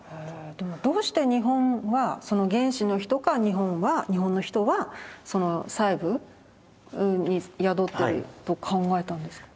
どうして日本はその原始の人か日本は日本の人はその細部に宿ってると考えたんですか？